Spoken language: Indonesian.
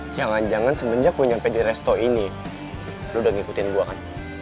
jangan jangan semenjak mau nyampe di resto ini lo udah ngikutin gue kan